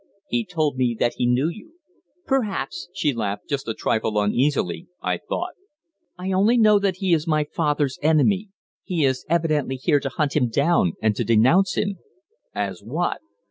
"He told me that he knew you." "Perhaps," she laughed, just a trifle uneasily, I thought. "I only know that he is my father's enemy. He is evidently here to hunt him down, and to denounce him." "As what?"